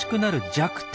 弱点？